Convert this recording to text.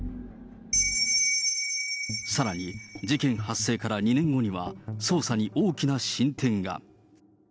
さらに事件発生から２年後には、捜査に大きな進展が。